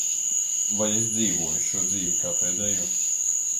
Vai es dzīvoju šo dzīvi kā pēdējo?